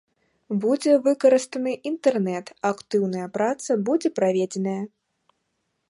Будзе выкарыстаны інтэрнэт, актыўная праца будзе праведзеная.